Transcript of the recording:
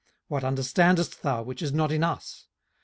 what understandest thou, which is not in us?